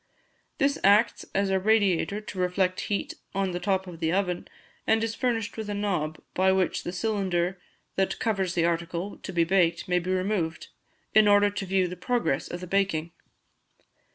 This acts as a radiator to reflect heat on the top of the oven, and is furnished with a knob, by which the cylinder that covers the article to be baked may be removed, in order to view the progress of the baking.